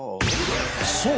そう！